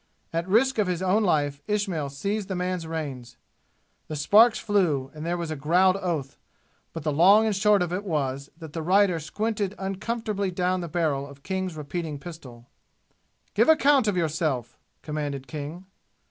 At risk of his own life, Ismail seized the man's reins. The sparks flew, and there was a growled oath; but the long and the short of it was that the rider squinted uncomfortably down the barrel of King's repeating pistol. "Give an account of yourself!" commanded King.